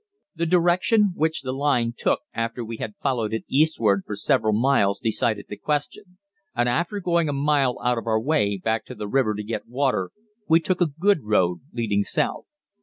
The direction which the line took after we had followed it eastwards for several miles decided the question, and after going a mile out of our way back to the river to get water, we took a good road leading south.